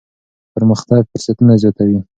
پرمختګ فرصتونه زیاتوي.